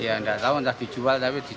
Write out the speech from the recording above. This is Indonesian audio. tidak tahu entah dijual atau tidak tahu